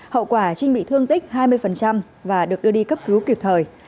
hậu quả trinh bị thương tích hai mươi và được đưa đi cấp cứu kịp thời